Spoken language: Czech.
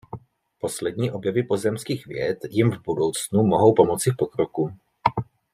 Poslední objevy pozemských věd jim v budoucnu mohou pomoci v pokroku.